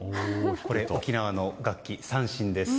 沖縄の楽器、三線です。